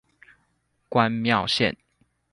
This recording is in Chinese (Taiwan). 關廟線